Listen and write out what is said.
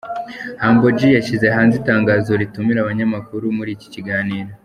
Humble G yashyize hanze itangazo ritumira abanyamaku muri iki kiganiro.